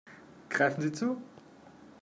Greifen Sie zu!